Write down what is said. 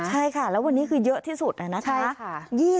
ใช่ค่ะแล้ววันนี้คือเยอะที่สุดนะคะ